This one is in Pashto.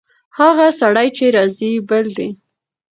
هغه سړی چې راځي، بل دی.